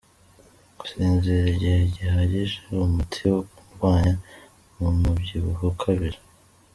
Gusinzira igihe gihagije, umuti wo kurwanya umubyibuho ukabije